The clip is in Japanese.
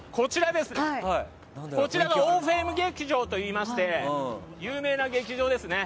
こちらがオーフィウム劇場といいまして有名な劇場ですね。